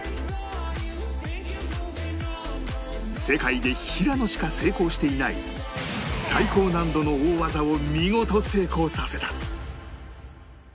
世界で平野しか成功していない最高難度の大技を見事成功させた